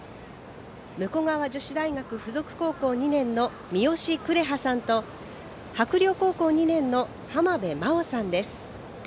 武庫川女子大学付属高校２年の三好紅葉さんと白陵高校２年の浜辺真緒さんです。